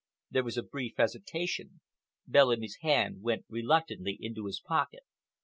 There was a brief hesitation. Bellamy's hand went reluctantly into his pocket.